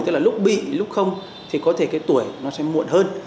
tức là lúc bị lúc không thì có thể cái tuổi nó sẽ muộn hơn